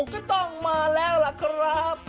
ก็ต้องมาแล้วล่ะครับ